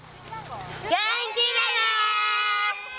元気でね。